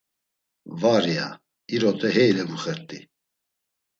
“Var…” ya; “İrote hey elevuxert̆i.”